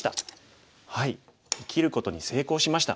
生きることに成功しました。